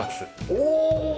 おお！